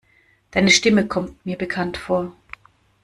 Deine Stimme kommt mir bekannt vor.